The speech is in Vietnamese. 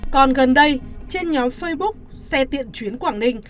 còn gần đây trên nhóm facebook